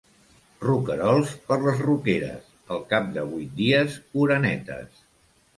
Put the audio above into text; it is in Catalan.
Roquerols per les roqueres, al cap de vuit dies orenetes.